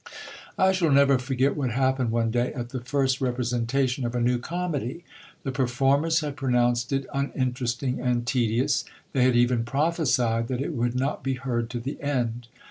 I shall never forget what happened one day at the first representation of a new comedy. The performers had pronounced it uninteresting and tedious ; they had even prophesied that it would not be heard to the end.